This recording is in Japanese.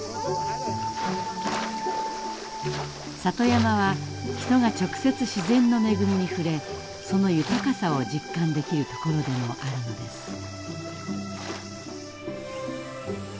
里山は人が直接自然の恵みに触れその豊かさを実感できるところでもあるのです。